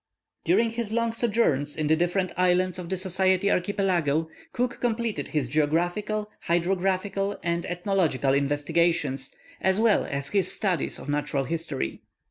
During his long sojourns in the different islands of the Society archipelago, Cook completed his geographical, hydrographical, and ethnological investigations, as well as his studies of natural history.